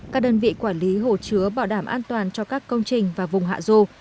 các đơn vị quản lý hồ chứa bảo đảm an toàn cho các công trình và vùng hạ dô